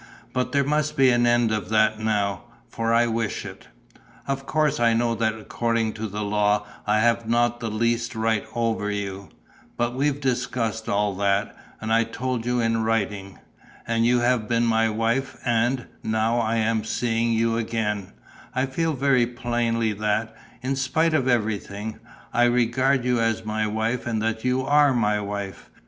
But there must be an end of that now, for I wish it. Of course I know that according to the law I have not the least right over you. But we've discussed all that; and I told it you in writing. And you have been my wife; and, now that I am seeing you again, I feel very plainly that, in spite of everything, I regard you as my wife and that you are my wife.